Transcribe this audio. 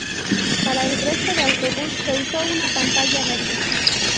Para el resto del autobús, se usó una pantalla verde.